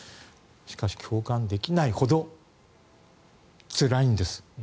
しかし、共感できないほどつらいんです。